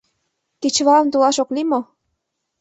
— Кечывалым толаш ок лий мо?